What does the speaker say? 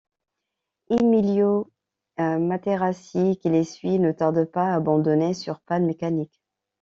Emilio Materassi qui les suit ne tarde pas à abandonner sur panne mécanique.